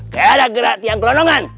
keadaan gerak tiang kelonongan